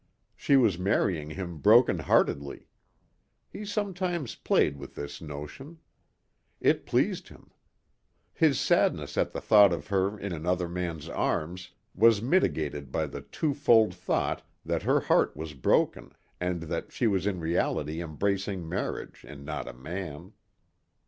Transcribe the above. She was marrying him broken heartedly. He sometimes played with this notion. It pleased him. His sadness at the thought of her in another man's arms was mitigated by the two fold thought that her heart was broken and that she was in reality embracing marriage and not a man.